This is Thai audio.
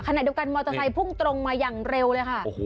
ขณะเดียวกันมอเตอร์ไซค์พุ่งตรงมาอย่างเร็วเลยค่ะ